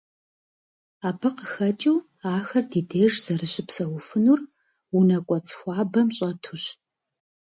Абы къыхэкӏыу ахэр ди деж зэрыщыпсэуфынур унэ кӏуэцӏ хуабэм щӏэтущ.